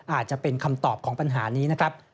อาจจะเป็นคำตอบของปัญหานี้นะครับ